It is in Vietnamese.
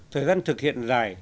thời gian thực hiện dài